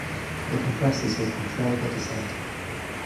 The compressors will control their descent.